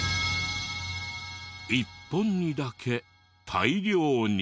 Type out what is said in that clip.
１本にだけ大量に。